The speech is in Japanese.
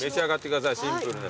シンプルな。